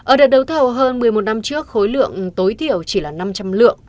ở đợt đấu thầu hơn một mươi một năm trước khối lượng tối thiểu chỉ là năm trăm linh lượng